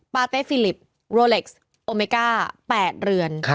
เต้ฟิลิปโรเล็กซ์โอเมก้า๘เรือน